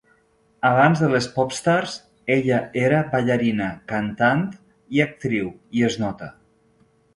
Abans de les Popstars, ella era ballarina, cantant i actriu, i es nota.